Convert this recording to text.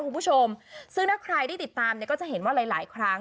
คุณผู้ชมซึ่งถ้าใครได้ติดตามเนี่ยก็จะเห็นว่าหลายหลายครั้ง